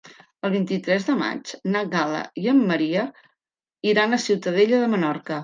El vint-i-tres de maig na Gal·la i en Maria iran a Ciutadella de Menorca.